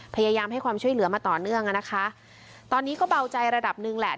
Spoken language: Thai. พยายามให้ความช่วยเหลือมาต่อเนื่องอ่ะนะคะตอนนี้ก็เบาใจระดับหนึ่งแหละ